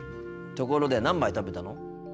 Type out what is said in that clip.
ところで何杯食べたの？